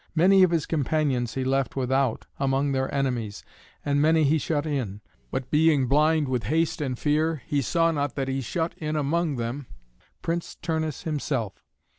Many of his companions he left without among their enemies, and many he shut in. But being blind with haste and fear, he saw not that he shut in among them Prince Turnus himself.